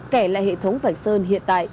kẻ lại hệ thống vành sơn hiện tại